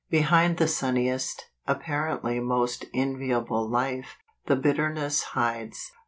'' Behind the sunniest, appar¬ ently most enviable life, the bitterness hides.